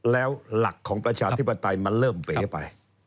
แล้วหลักของประชาธิปไตยมันเริ่มเป๋ไป